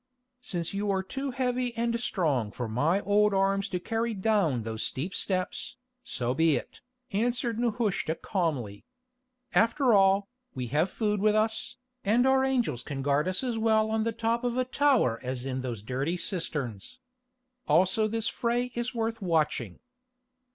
"Since you are too heavy and strong for my old arms to carry down those steep steps, so be it," answered Nehushta calmly. "After all, we have food with us, and our angels can guard us as well on the top of a tower as in those dirty cisterns. Also this fray is worth the watching."